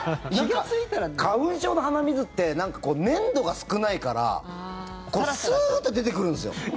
花粉症の鼻水ってなんか粘度が少ないからスーッと出てくるんですよ。